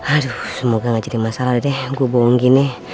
aduh semoga gak jadi masalah deh aku bohong gini